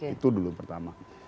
itu dulu pertama